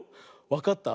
わかった？